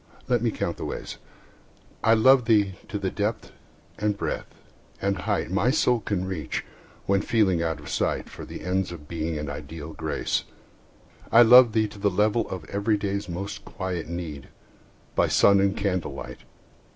Let me count the ways. I love thee to the depth and breadth and height My soul can reach, when feeling out of sight For the ends of Being and ideal Grace. I love thee to the level of everyday's Most quiet need, by sun and candlelight.